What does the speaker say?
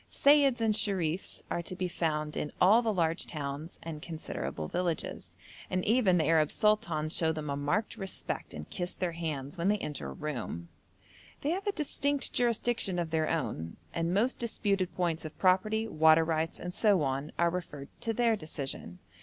Seyyids and Sherifs are to be found in all the large towns and considerable villages, and even the Arab sultans show them a marked respect and kiss their hands when they enter a room. They have a distinct jurisdiction of their own, and most disputed points of property, water rights, and so on, are referred to their decision.